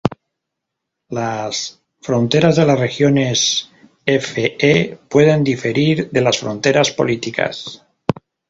Las fronteras de las regiones F-E pueden diferir de las fronteras políticas.